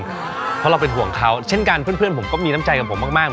เพราะเราเป็นห่วงเขาเช่นกันเพื่อนผมก็มีน้ำใจกับผมมาก